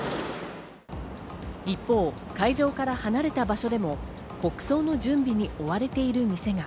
一方、会場から離れた場所でも国葬の準備に追われている店が。